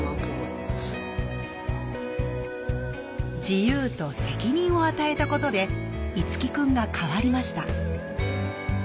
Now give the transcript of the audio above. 自由と責任を与えたことで樹くんが変わりました。